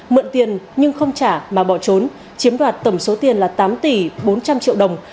mượn tiền nhưng không trả mà bỏ trốn chiếm đoạt tổng số tiền là tám tỷ bốn trăm linh triệu đồng